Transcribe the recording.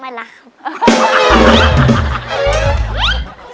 ไม่รักครับ